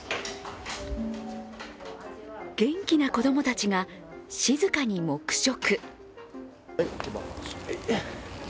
元気な子供たちが、静かに黙食。